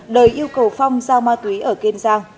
đời yêu cầu phong giao ma túy ở kênh giang